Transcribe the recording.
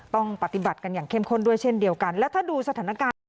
ต้องปฏิบัติกันอย่างเข้มข้นด้วยเช่นเดียวกันและถ้าดูสถานการณ์